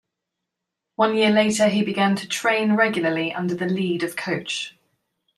One year later he began to train regularly under the lead of coach.